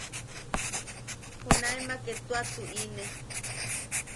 Junaemake tua tuʼine.